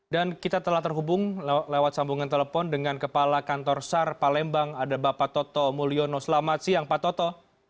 dan kita telah terhubung lewat sambungan telepon dengan kepala kantor sar palembang ada bapak toto mulyono selamat siang pak toto